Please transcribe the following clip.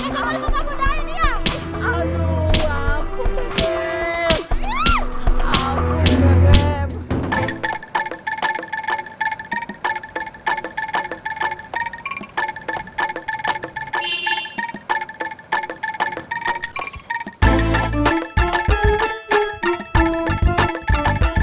mau apa kok dikejar